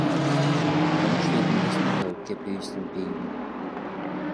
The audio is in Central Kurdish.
هەموو شتێکم دەست نەکەوت کە پێویستم پێی بوو.